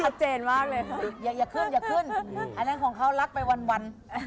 อันนั้นของเขารักไปวัน